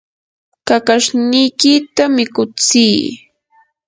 kakashniykita mikutsii